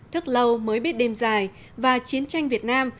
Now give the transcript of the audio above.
thức lâu mới biết đêm dài và chiến tranh việt nam